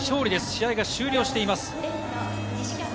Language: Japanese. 試合が終了しています。